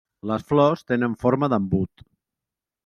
Les flors tenen forma d'embut.